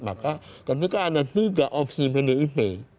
maka ketika ada tiga opsi pdip